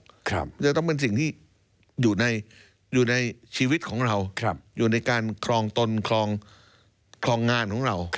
มันจะต้องเป็นสิ่งที่อยู่ในชีวิตของเราอยู่ในการครองตนครองงานของเรา